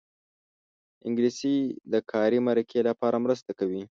انګلیسي د کاري مرکې لپاره مرسته کوي